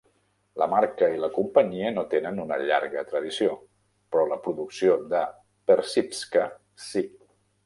La marca i la companyia no tenen una llarga tradició, però la producció de "pertsivka", sí.